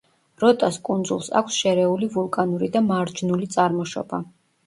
როტას კუნძულს აქვს შერეული ვულკანური და მარჯნული წარმოშობა.